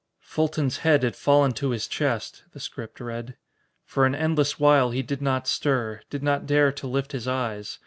"Fulton's head had fallen to his chest," the script read. "For an endless while he did not stir, did not dare to lift his eyes.